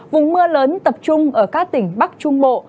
vùng mưa lớn tập trung ở các tỉnh bắc trung bộ